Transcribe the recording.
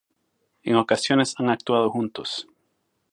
En ocasiones han actuado juntos.